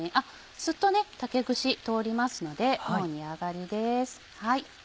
スッと竹串通りますのでもう煮上がりです。